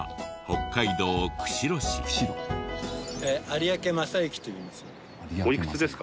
有明正之といいます。